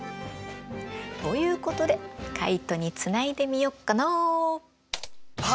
ということでカイトにつないでみよっかな。